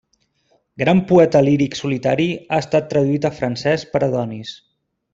Gran poeta líric solitari, ha estat traduït a francès per Adonis.